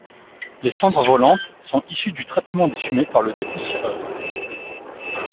Les cendres volantes sont issues du traitement des fumées par le dépoussiéreur.